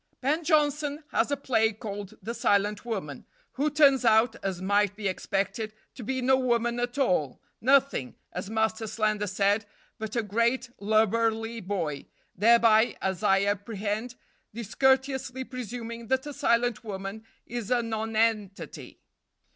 "Ben Jonson has a play called The Silent Woman, who turns out, as might be expected, to be no woman at all nothing, as Master Slender said, but 'a great lubberly boy,' thereby, as I apprehend, discourteously presuming that a silent woman is a nonentity.